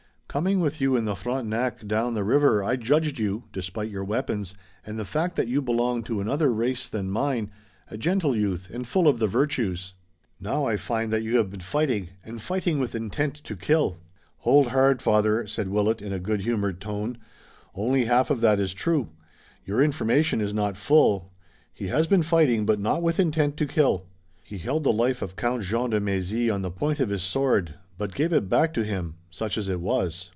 "Coming with you in the Frontenac down the river I judged you, despite your weapons and the fact that you belong to another race than mine, a gentle youth and full of the virtues. Now I find that you have been fighting and fighting with intent to kill." "Hold hard, Father," said Willet in a good humored tone. "Only half of that is true. Your information is not full. He has been fighting, but not with intent to kill. He held the life of Count Jean de Mézy on the point of his sword, but gave it back to him, such as it was."